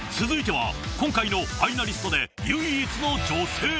続いては今回のファイナリストで唯一の女性。